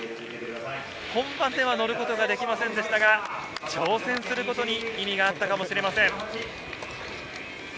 本番で乗ることができませんでしたが、挑戦することに意味があったのかもしれません。